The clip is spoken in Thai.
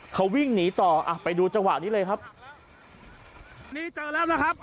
เขาวิ่งหนีต่ออ่ะไปดูจังหวะนี้เลยครับนี่เจอแล้วนะครับ